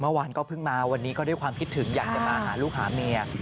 เมื่อวานก็เพิ่งมาวันนี้ก็ด้วยความคิดถึงอยากจะมาหาลูกหาเมีย